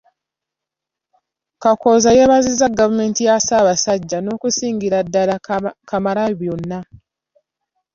Kakooza yeebazizza Gavumenti ya Ssabasajja, n'okusingira ddala Kamalabyonna.